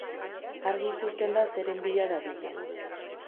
Argi ikusten da zeren bila dabilen.